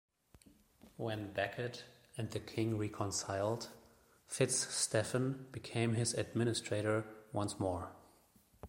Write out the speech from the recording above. When Becket and the king reconciled, Fitzstephen became his administrator once more.